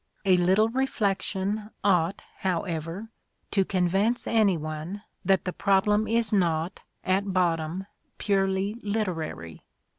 A little reflection ought, however, to convince any one that the problem is not, at bottom, purely literary.